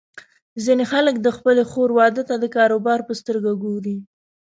ځینې خلک د خپلې خور واده ته د کاروبار په سترګه ګوري.